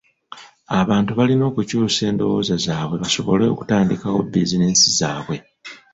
Abantu balina okukyusa endowooza zaabwe basobole okutandikawo bizinensi zaabwe.